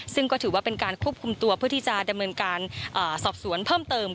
ซึ่งก็ถือว่าเป็นการควบคุมตัวเพื่อที่จะดำเนินการสอบสวนเพิ่มเติม